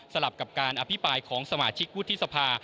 ลับกับการอภิปรายของสมาชิกวุฒิสภา